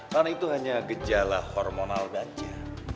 karena itu hanya gejala hormonal banca